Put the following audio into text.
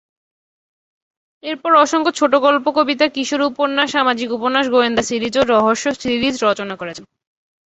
এরপর অসংখ্য ছোটগল্প, কবিতা, কিশোর উপন্যাস, সামাজিক উপন্যাস, গোয়েন্দা সিরিজ ও রহস্য সিরিজ রচনা করেছেন।